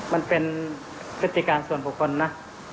มันเป็นพฤติการส่วนบุคคลนะ